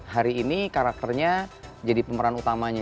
hari ini karakternya jadi pemeran utamanya